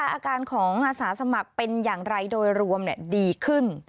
อาการของอาสาสมัครเป็นอย่างไรโดยรวมดีขึ้น